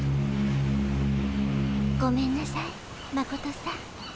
ごめんなさいマコトさん。